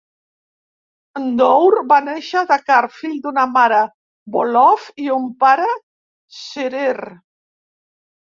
N'Dour va néixer a Dakar, fill d'una mare wolof i un pare serer.